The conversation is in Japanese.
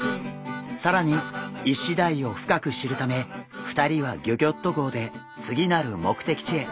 さらにイシダイを深く知るため２人はギョギョッと号で次なる目的地へ。